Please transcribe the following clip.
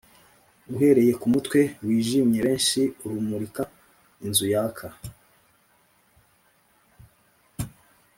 uhereye kumutwe wijimye benshi urumurika-inzu yaka,